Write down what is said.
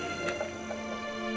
ini semua berkat kamu sayang